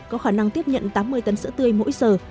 có khả năng tiếp nhận tám mươi tấn sữa tươi mỗi giờ